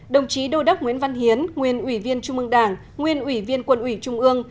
đồng chí đô đắc nguyễn văn hiến nguyên ủy viên trung ương đảng nguyên ủy viên quân ủy trung ương